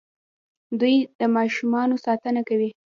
دوی د ماشومانو ساتنه کوي.